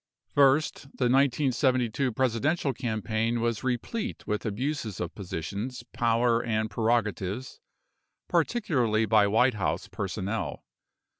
First, the 1972 Presidential campaign was replete with abuses of positions, power, and prerogatives, particularly by White House personnel.